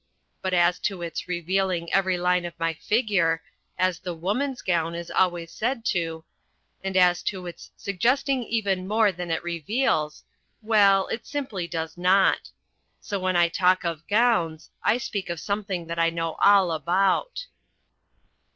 But as to its "revealing every line of my figure" as The Woman's gown is always said to and as to its "suggesting even more than it reveals" well, it simply does not. So when I talk of "gowns" I speak of something that I know all about.